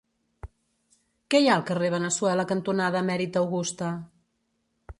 Què hi ha al carrer Veneçuela cantonada Emèrita Augusta?